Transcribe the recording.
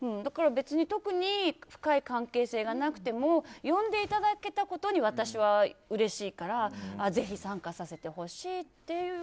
特に深い関係性がなくても呼んでいただけたことに私はうれしいからぜひ参加させてほしいっていう。